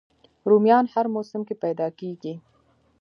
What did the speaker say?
رومیان هر موسم کې پیدا کېږي